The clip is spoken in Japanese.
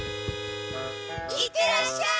行ってらっしゃい！